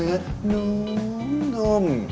เนื้อนุ่ม